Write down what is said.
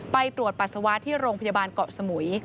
ไปตรวจปัสสาวะที่โรงพยาบาลเกาะสมุย